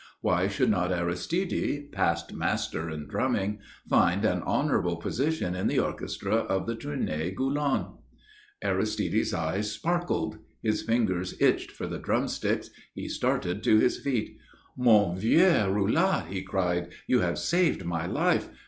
Why should not Aristide, past master in drumming, find an honourable position in the orchestra of the Tournée Gulland? Aristide's eyes sparkled, his fingers itched for the drumsticks, he started to his feet. "Mon vieux Roulard!" he cried, "you have saved my life.